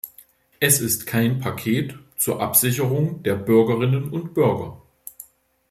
Es ist kein Paket zur Absicherung der Bürgerinnen und Bürger.